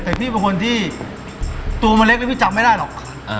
แต่พี่เป็นคนที่ตัวมันเล็กแล้วพี่จำไม่ได้หรอก